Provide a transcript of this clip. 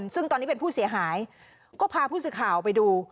ซึ่งตอนนี้เป็นผู้เสียหายก็พาผู้สื่อข่าวไปดู